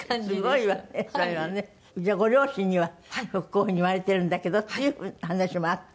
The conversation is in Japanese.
すごいわねそれはね。じゃあご両親にはこういう風に言われてるんだけどっていう話もあって。